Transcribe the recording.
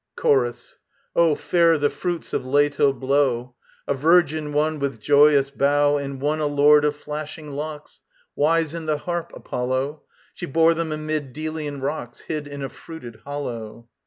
] CHORUS. [STROPHE.] Oh, fair the fruits of Leto blow: A Virgin, one, with joyous bow, And one a Lord of flashing locks, Wise in the harp, Apollo: She bore them amid Delian rocks, Hid in a fruited hollow.